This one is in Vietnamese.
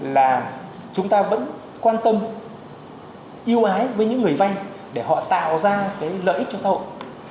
là chúng ta vẫn quan tâm yêu ái với những người vay để họ tạo ra cái lợi ích cho xã hội